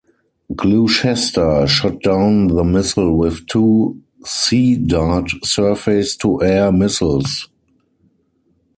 "Gloucester" shot down the missile with two Sea Dart surface-to-air missiles.